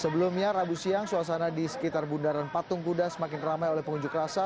sebelumnya rabu siang suasana di sekitar bundaran patung kuda semakin ramai oleh pengunjuk rasa